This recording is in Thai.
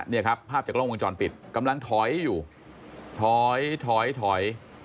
เนี่ยครับภาพจากกล้องวงจรปิดกำลังถอยอยู่ถอยถอยถอย